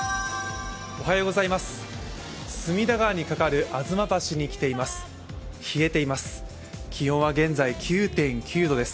隅田川に架かる吾妻橋に来ています。